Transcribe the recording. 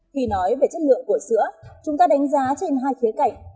khi nói về chất lượng của sữa chúng ta đánh giá trên hai khía cạnh